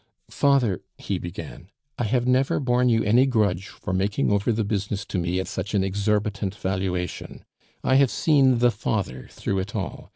"Father," he began, "I have never borne you any grudge for making over the business to me at such an exorbitant valuation; I have seen the father through it all.